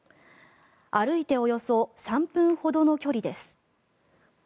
歩いておよそ３分ほどの距離です。